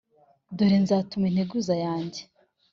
Dore nzatuma integuza yanjye